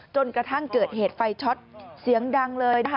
จนกระทั่งเกิดเหตุไฟช็อตเสียงดังเลยนะคะ